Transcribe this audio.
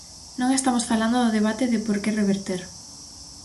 Non estamos falando do debate de por que reverter.